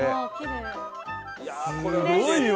すごいわ！